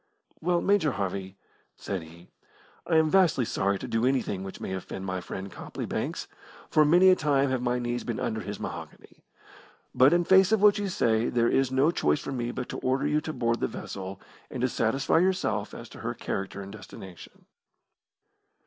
"Well, Major Harvey," said he, "I am vastly sorry to do anything which may offend my friend Copley Banks, for many a time have my knees been under his mahogany, but in face of what you say there is no choice for me but to order you to board the vessel and to satisfy yourself as to her character and destination."